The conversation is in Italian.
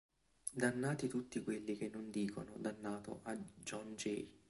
Dannati tutti quelli che non dicono dannato a John Jay!